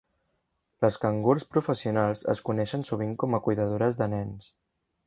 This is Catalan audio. Les cangurs professionals es coneixen sovint com a cuidadores de nens